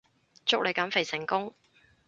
祝你減肥成功